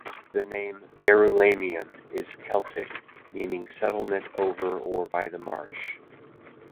The name "Verulamium" is Celtic, meaning "settlement over or by the marsh".